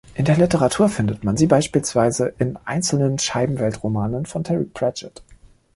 In der Literatur findet man sie beispielsweise in einzelnen "Scheibenwelt"-Romanen von Terry Pratchett.